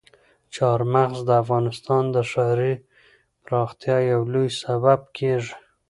چار مغز د افغانستان د ښاري پراختیا یو لوی سبب کېږي.